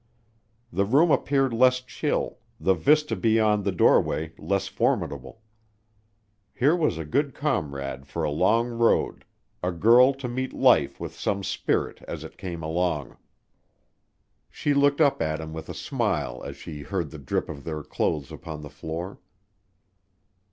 The room appeared less chill, the vista beyond the doorway less formidable. Here was a good comrade for a long road a girl to meet life with some spirit as it came along. She looked up at him with a smile as she heard the drip of their clothes upon the floor.